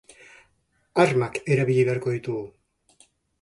Armak erabili beharko ditugu.